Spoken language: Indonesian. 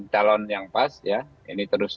calon yang pas ya ini terus